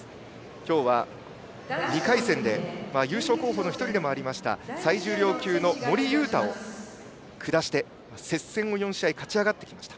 今日は、２回戦で優勝候補の１人でもあった最重量級の森優太を下して接戦を４試合勝ち上がってきました。